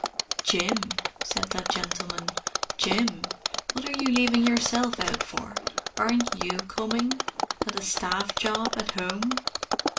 "Jim?" said that gentleman. "Jim? What are you leaving yourself out for? Aren't you coming? Got a Staff job at home?"